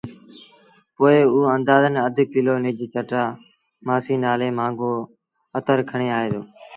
پوء اوٚ اندآزݩ اڌ ڪلو نج جٽآ مآسيٚ نآلي مآݩگو اتر کڻي آئي۔